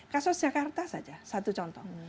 kasus jakarta saja satu contoh